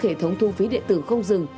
hệ thống thu phí điện tử không dừng